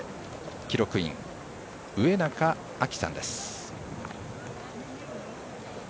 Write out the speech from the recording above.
記録員は上中香葵さんです。